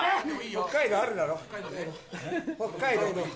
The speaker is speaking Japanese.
北海道あるだろ？北海道。